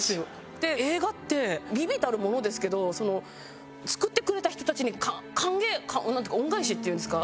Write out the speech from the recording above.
で映画って微々たるものですけど作ってくれた人たちに還元なんていうか恩返しっていうんですか？